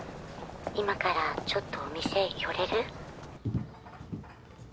☎今からちょっとお店へ寄れる？